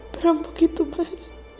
berampok itu mas